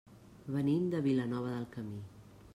Venim de Vilanova del Camí.